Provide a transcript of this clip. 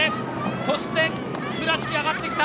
そして倉敷、上がってきた！